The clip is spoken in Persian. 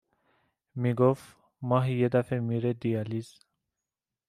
می گفت ماهی یه دفه میره دیالیز